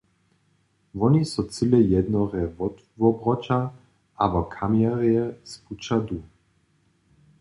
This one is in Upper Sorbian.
Woni so cyle jednorje wotwobroća abo kamjerje z puća du.